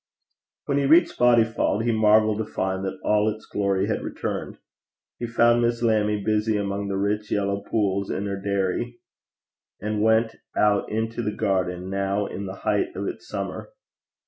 When he reached Bodyfauld he marvelled to find that all its glory had returned. He found Miss Lammie busy among the rich yellow pools in her dairy, and went out into the garden, now in the height of its summer.